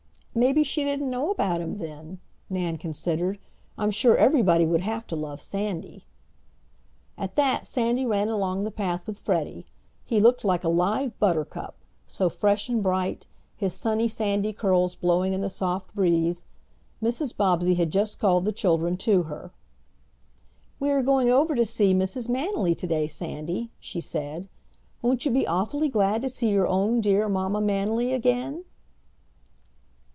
"Maybe she didn't know about him then," Nan considered. "I'm sure everybody would have to love Sandy." At that Sandy ran along the path with Freddie. He looked like a live buttercup, so fresh and bright, his sunny sandy curls blowing in the soft breeze. Mrs. Bobbsey had just called the children to her. "We are going over to see Mrs. Manily today, Sandy," she said. "Won't you be awfully glad to see your own dear Mamma Manily again?"